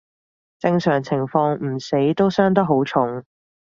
正常情況唔死都傷得好重